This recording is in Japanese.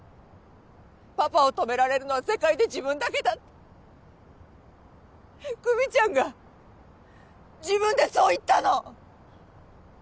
パパを止められるのは世界で自分だけだって久実ちゃんが自分でそう言ったの！